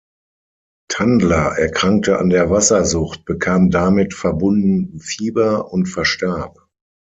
Tandler erkrankte an der Wassersucht, bekam damit verbunden Fieber und verstarb.